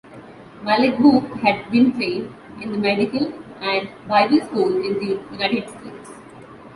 Malekbu had been trained in medical and Bible school in the United States.